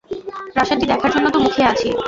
প্রাসাদটি দেখার জন্য তো মুখিয়ে আছি।